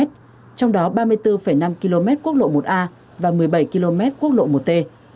trong đó ba mươi bốn năm km quốc lộ một a và một mươi bảy km quốc lộ một t